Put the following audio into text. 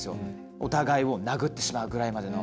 お互いを殴ってしまうぐらいまでの。